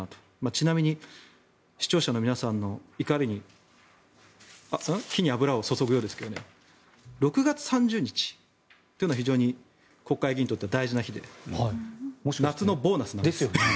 ちなみに視聴者の皆さんの怒りに火に油を注ぐようですが６月３０日というのは非常に国会議員にとっては大事な日で夏のボーナスなんです。